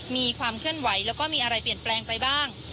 มีความเคลื่อนไหวแล้วก็มีอะไรเปลี่ยนแปลงไปบ้าง